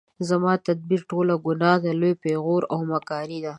زما تدبیر ټوله ګناه ده لوی پیغور او مکاري ده